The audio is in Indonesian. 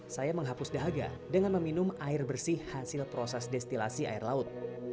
saya menghapus dahaga dengan meminum air bersih hasil proses destilasi air laut